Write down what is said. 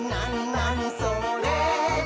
なにそれ？」